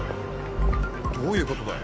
どういうことだ？